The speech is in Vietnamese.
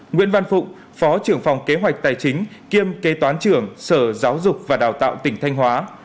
nguyễn văn phụng phó trưởng phòng kế hoạch tài chính kiêm kế toán trưởng sở giáo dục và đào tạo tỉnh thanh hóa